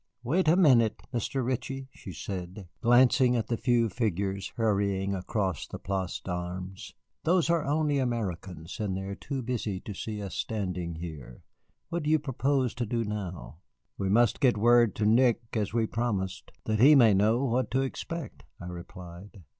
"Wait a minute, Mr. Ritchie," she said, glancing at the few figures hurrying across the Place d'Armes; "those are only Americans, and they are too busy to see us standing here. What do you propose to do now?" "We must get word to Nick as we promised, that he may know what to expect," I replied.